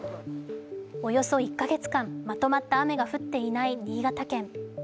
およそ１か月間まとまった雨が降っていない新潟県。